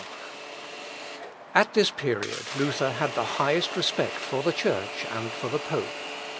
At this period Luther had the highest respect for the church and for the pope.